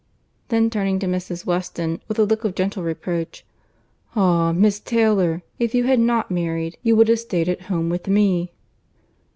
Then turning to Mrs. Weston, with a look of gentle reproach—"Ah! Miss Taylor, if you had not married, you would have staid at home with me."